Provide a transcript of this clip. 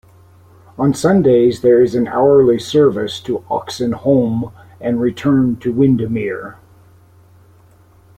On Sundays there is an hourly service to Oxenholme and return to Windermere.